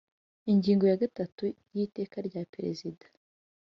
Ingingo ya gatatu y Iteka rya Perezida